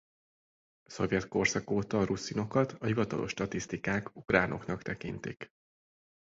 A szovjet korszak óta a ruszinokat a hivatalos statisztikák ukránoknak tekintik.